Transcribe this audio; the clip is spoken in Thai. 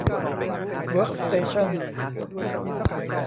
เวิร์คสเตชั่น